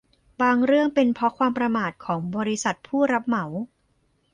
บางเรื่องเป็นเพราะความประมาทของบริษัทผู้รับเหมา